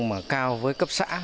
mà cao với cấp xã